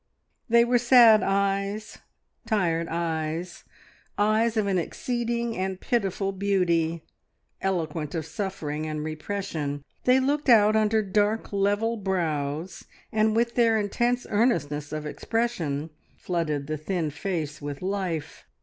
They were sad eyes, tired eyes, eyes of an exceeding and pitiful beauty, eloquent of suffering and repression. They looked out under dark, level brows, and with their intense earnestness of expression flooded the thin face with life.